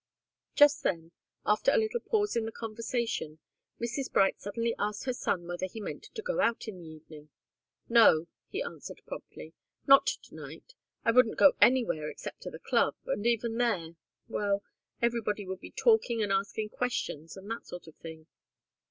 Just then, after a little pause in the conversation, Mrs. Bright suddenly asked her son whether he meant to go out in the evening. "No," he answered, promptly. "Not to night. I wouldn't go anywhere except to the club, and even there well, everybody would be talking and asking questions, and that sort of thing.